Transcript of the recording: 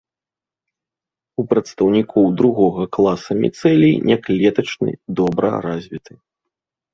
У прадстаўнікоў другога класа міцэлій няклетачны, добра развіты.